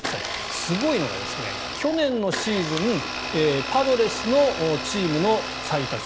すごいのが、去年のシーズンパドレスのチームの最多勝。